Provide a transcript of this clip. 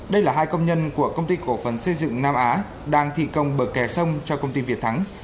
đây là hai công nhân của công ty cổ phần xây dựng nam á đang thi công bờ kè sông cho công ty việt thắng